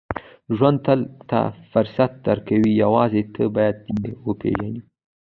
• ژوند تل ته فرصت درکوي، یوازې ته باید یې وپېژنې.